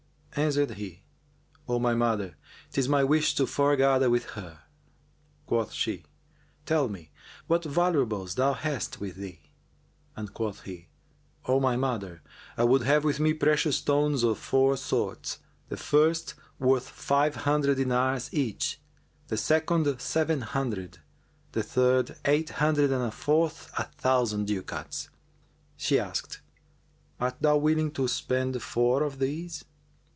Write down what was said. Answered he, "O my mother, 'tis my wish to foregather with her." Quoth she, "Tell me what valuables thou hast with thee"; and quoth he, "O my mother, I have with me precious stones of four sorts, the first worth five hundred dinars each, the second seven hundred, the third eight hundred and the fourth a thousand ducats." She asked, "Art thou willing to spend four of these?"